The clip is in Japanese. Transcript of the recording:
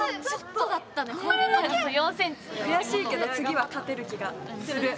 くやしいけど次は勝てる気がする。